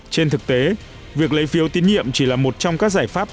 trên thực tế việc lấy phiếu tín nhiệm chỉ là một trong các giải pháp